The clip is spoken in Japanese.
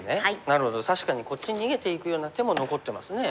なるほど確かにこっち逃げていくような手も残ってますね。